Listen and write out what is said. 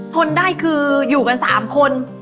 ทนได้คืออยู่กัน๓คน